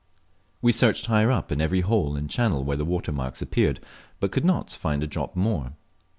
We searched higher up in every hole and channel where water marks appeared, but could find not a drop more.